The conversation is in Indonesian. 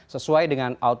sesuai dengan outlooknya